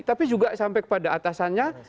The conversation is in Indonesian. tapi juga sampai kepada atasannya